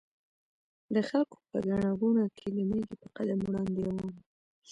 د خلکو په ګڼه ګوڼه کې د مېږي په قدم وړاندې روان و.